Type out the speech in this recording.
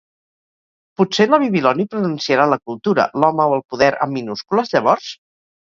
Potser la Bibiloni pronunciarà la Cultura, l'Home o el Poder amb minúscules, llavors?